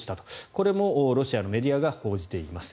これもロシアのメディアが報じています。